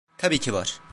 Tabii ki var.